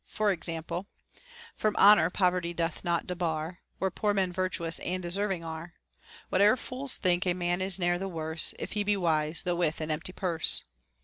For example, From honor poverty doth not debar, Where poor men virtuous and deserving are. Whate'er fools think, a man is ne'er the worse If he be wise, though with an empty purse.